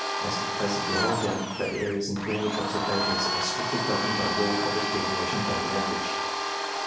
as to place it beyond all doubt that the errors in the Greenwich observa tions are strictly governed by the law of a deviation from an average.